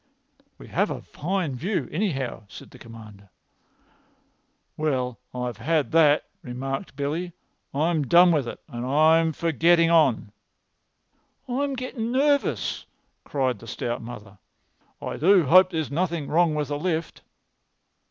"We have a fine view, anyhow," said the Commander. "Well, I've had that," remarked Billy. "I'm done with it, and I'm for getting on." "I'm getting nervous," cried the stout mother. "I do hope there is nothing wrong with the lift."